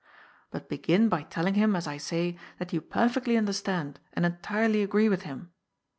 But begin by telling him, as I say, that you perfectly understand and entirely agree with him.